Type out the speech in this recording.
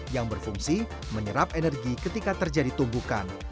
yang berfungsi menyerap energi ketika terjadi tumpukan